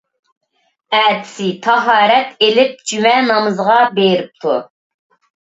ئەتىسى تاھارەت ئېلىپ جۈمە نامىزىغا بېرىپتۇ.